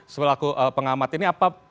sebelah aku pengamat ini